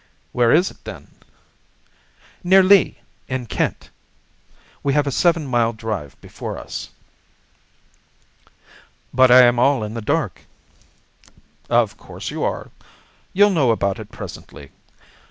"Where is it, then?" "Near Lee, in Kent. We have a seven mile drive before us." "But I am all in the dark." "Of course you are. You'll know all about it presently.